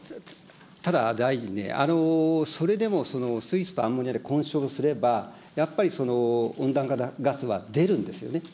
ただ、大臣ね、それでも、その水素とアンモニアで混焼すれば、やっぱり温暖化ガスは出るんですよね。